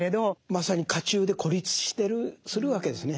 まさに家中で孤立するわけですね。